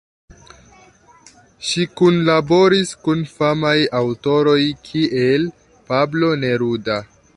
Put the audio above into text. Ŝi kunlaboris kun famaj aŭtoroj kiel Pablo Neruda.